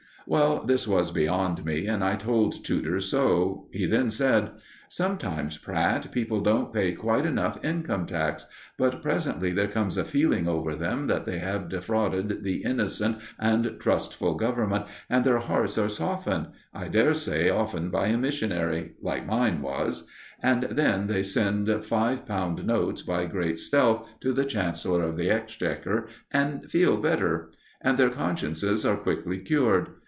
Well, this was beyond me, and I told Tudor so. He then said: "Sometimes, Pratt, people don't pay quite enough income tax; but presently there comes a feeling over them that they have defrauded the innocent and trustful Government, and their hearts are softened I dare say often by a missionary, like mine was and then they send five pound notes by great stealth to the Chancellor of the Exchequer, and feel better. And their consciences are quickly cured.